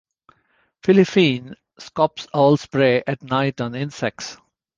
Philippine scops owls prey at night on insects.